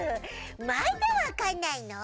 まだわかんないの？